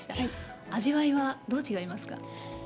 味わいはどう違いますか。